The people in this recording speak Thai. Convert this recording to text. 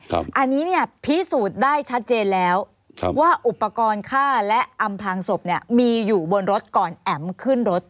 อันนี้เนี่ยพิสูจน์ได้ชัดเจนแล้วว่าอุปกรณ์ฆ่าและอำพลางศพเนี่ยมีอยู่บนรถก่อนแอ๋มขึ้นรถ